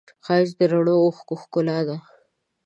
ښایست د رڼو اوښکو ښکلا ده